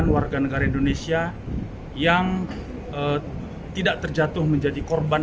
warga negara indonesia yang tidak terjatuh menjadi korban